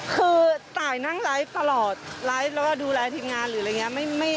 คือต่ายนั่งไลฟ์ตลอดดูแลทีพงานหรืออะไรอย่างนี้